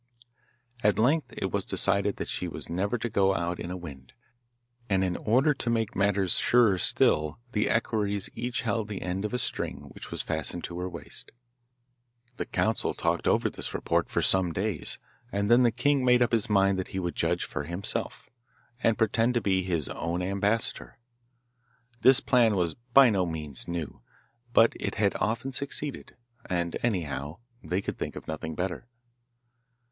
At length it was decided that she was never to go out in a wind, and in order to make matters surer still the equerries each held the end of a string which was fastened to her waist. The Council talked over this report for some days, and then the king made up his mind that he would judge for himself, and pretend to be his own ambassador. This plan was by no means new, but it had often succeeded, and, anyhow, they could think of nothing better.